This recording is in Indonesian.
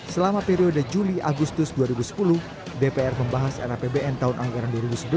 selama periode juli agustus dua ribu sepuluh dpr membahas rapbn tahun anggaran dua ribu sebelas